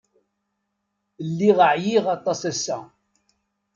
Lliɣ ɛyiɣ aṭas ass-a.